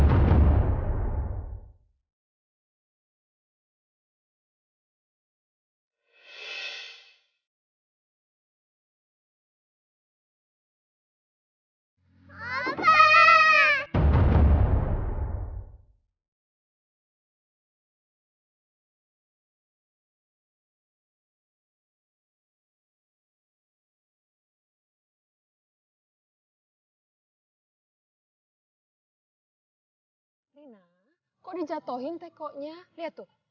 adil masih dia ngaku